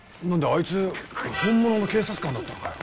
あいつ本物の警察官だったのかよ。